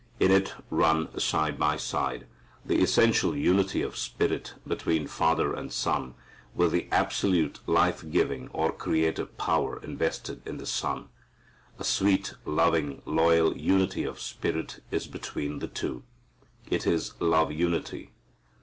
In it run side by side the essential unity of spirit between Father and Son, with the absolute life giving or creative power invested in the Son. A sweet, loving, loyal unity of spirit is between the two. It is love unity.